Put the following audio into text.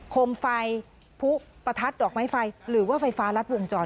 คมไฟผู้ประทัดดอกไม้ไฟหรือว่าไฟฟ้ารัดวงจร